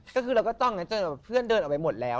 ก็คือเราก็จ้องนะจนแบบเพื่อนเดินออกไปหมดแล้ว